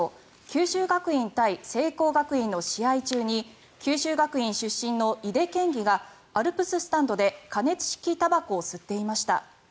九州学院対聖光学院の試合中に九州学院出身の井手県議がアルプススタンドで加熱式たばこを吸っていました。